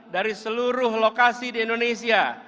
dari seluruh lokasi di indonesia